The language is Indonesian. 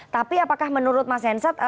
tapi apakah menurut mas hensat